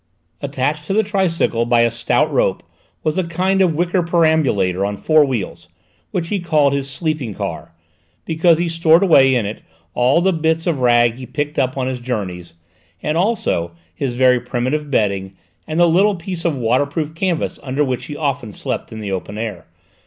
Attached to the tricycle by a stout rope was a kind of wicker perambulator on four wheels, which he called his "sleeping car," because he stored away in it all the bits of rag he picked up on his journeys, and also his very primitive bedding and the little piece of waterproof canvas under which he often slept in the open air.